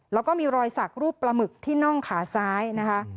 แล้วก็มีรอยสักรูปปลาหมึกที่น่องขาซ้ายนะคะ